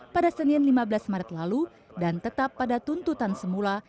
pada senin lima belas maret lalu dan tetap pada tuntutan semula